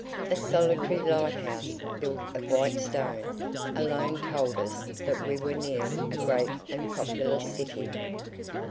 A solitary lighthouse, built of white stone, alone told us that we were near a great and populous city.